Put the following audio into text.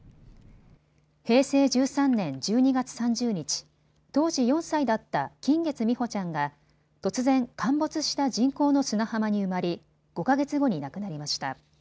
平成１３年１２月３０日、当時４歳だった金月美帆ちゃんが突然、陥没した人工の砂浜に埋まり５か月後に亡くなりました。